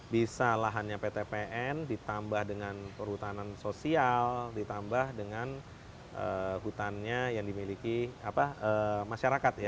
bisa lahannya ptpn ditambah dengan perhutanan sosial ditambah dengan hutannya yang dimiliki masyarakat ya